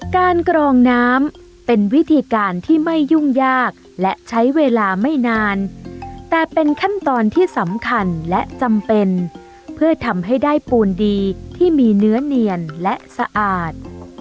กรองน้ำเป็นวิธีการที่ไม่ยุ่งยากและใช้เวลาไม่นานแต่เป็นขั้นตอนที่สำคัญและจำเป็นเพื่อทำให้ได้ปูนดีที่มีเนื้อเนียนและสะอาด